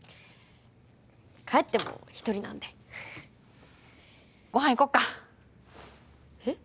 帰っても一人なんでご飯行こっかえっ？